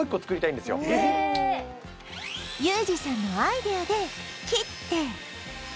ユージさんのアイデアで切って